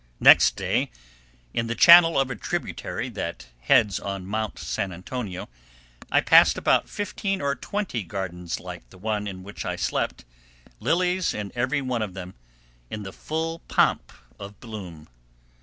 ] Next day, in the channel of a tributary that heads on Mount San Antonio, I passed about fifteen or twenty gardens like the one in which I slept—lilies in every one of them, in the full pomp of bloom.